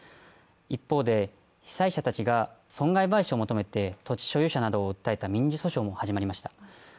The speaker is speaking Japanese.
一方で、被災者たちが損害賠償を求めて土地所有者などを訴えた民事訴訟も民事訴訟も始まりました。